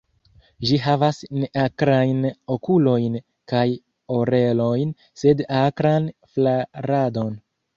Ĝi havas neakrajn okulojn kaj orelojn, sed akran flaradon.